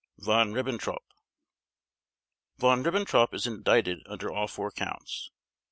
VON RIBBENTROP Von Ribbentrop is indicted under all four Counts.